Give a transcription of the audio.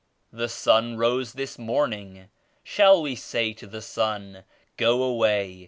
The sun rose this morning. Shall we say to the sun *Go away!